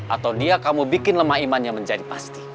atau dia kamu bikin lemah imannya menjadi pasti